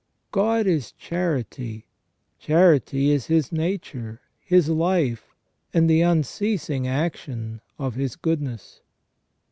God is charity ; charity is His nature. His life, and the unceas ing action of His goodness.